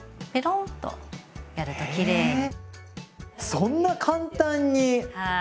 そんな簡単に⁉はい。